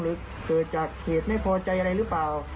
หลุงฤทธิ์เกิดจากเหตุไม่ปกติอะไรหรือเปล่า